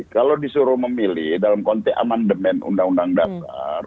kalau disuruh memilih dalam konteks amandemen undang undang dasar